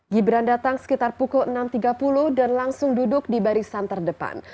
gibran datang sekitar pukul enam tiga puluh dan langsung duduk di barisan terdepan